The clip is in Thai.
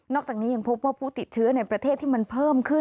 จากนี้ยังพบว่าผู้ติดเชื้อในประเทศที่มันเพิ่มขึ้น